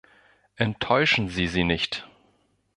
Enttäuschen Sie sie nicht.